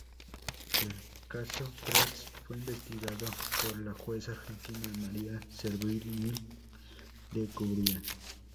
El "caso Prats" fue investigado por la juez argentina María Servini de Cubría.